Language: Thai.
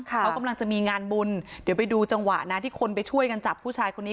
เขากำลังจะมีงานบุญเดี๋ยวไปดูจังหวะนะที่คนไปช่วยกันจับผู้ชายคนนี้